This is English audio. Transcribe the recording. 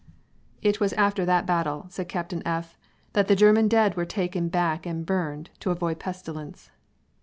"It was after that battle," said Captain F , "that the German dead were taken back and burned, to avoid pestilence."